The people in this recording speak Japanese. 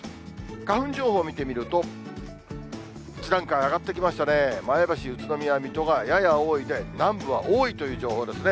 花粉情報を見てみると、１段階上がってきましたね、前橋、宇都宮、水戸がやや多いで、南部は多いという情報ですね。